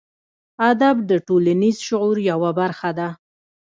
ادب د ټولنیز شعور یوه برخه ده.